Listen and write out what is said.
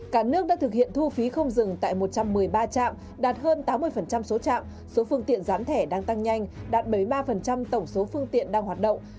cả nước đã thực hiện thu phí không dừng tại một trăm một mươi ba trạm đạt hơn tám mươi số trạm số phương tiện gián thẻ đang tăng nhanh đạt bảy mươi ba tổng số phương tiện đang hoạt động